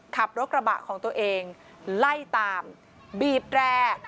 ขับรถกระบะของตัวเองไล่ตามบีบแร่